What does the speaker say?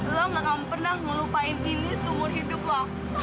lo nggak akan pernah ngelupain ini seumur hidup lo